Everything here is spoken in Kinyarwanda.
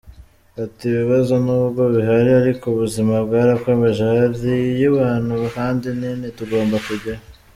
Ati “Ibibazo nubwo bihari ariko ubuzima bwarakomeje, hariyo abantu kandi nyine tugomba kujyayo.